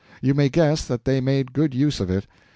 You may guess that they made good use of it.